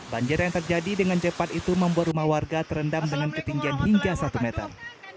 banjir yang terjadi dengan cepat itu membuat rumah warga terendam dengan ketinggian hingga satu meter